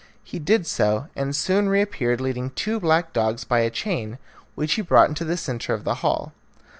He did so, and soon reappeared leading two black dogs by a chain, which he brought into the centre of the hall.